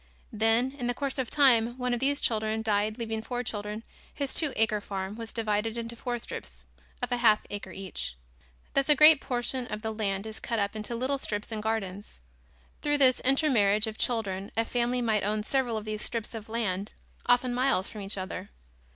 Then, in the course of time, one of these children died leaving four children, his two acre farm was divided into four strips of a half acre each. Thus a great portion of the land is cut up into little strips and gardens. Through the intermarriage of children a family might own several of these strips of land, often miles from each other.